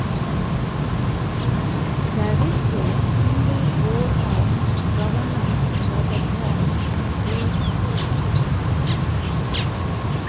There is a single board of governors for the boys' and girls' schools.